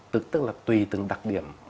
tức là tùy từng đặc điểm